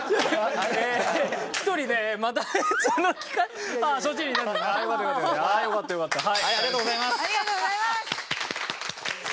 ありがとうございます！